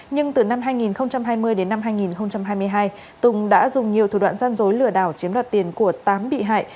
nhưng từ năm hai nghìn hai mươi đến năm hai nghìn hai mươi hai tùng đã dùng nhiều thủ đoạn gian dối lừa đảo chiếm đoạt tiền của tám bị hại